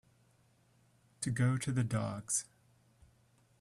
To go to the dogs